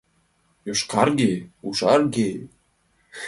Йошкарге, ужарге?